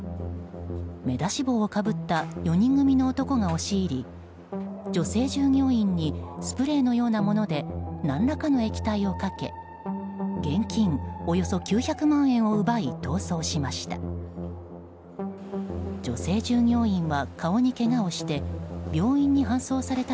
目出し帽をかぶった４人組の男が押し入り女性従業員にスプレーのようなもので何らかの液体をかけ現金およそ９００万円を奪い逃走しました。